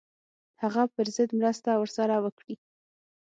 هغه پر ضد مرسته ورسره وکړي.